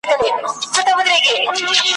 د غم په شپه یې خدای پیدا کړی `